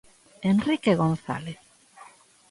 Enrique González.